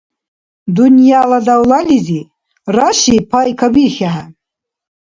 Дунъяла давлализи, Раши, пай кабирхьехӏе,